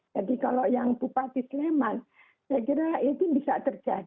jadi kalau yang bupati sleman itu lain itu baru disuntik beberapa hari kemudian dia positif